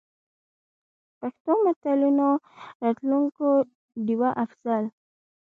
پښتو متلونو: راټولونکې ډيـوه افـضـل.